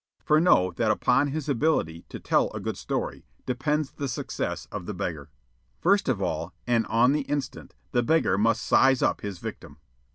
For know that upon his ability to tell a good story depends the success of the beggar. First of all, and on the instant, the beggar must "size up" his victim.